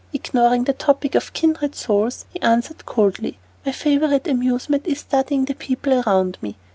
Ignoring the topic of "kindred souls," he answered coldly, "My favorite amusement is studying the people around me.